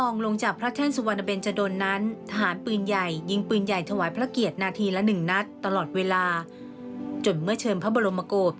ในวันที่๒๖ตุลาคม๒๕๖๐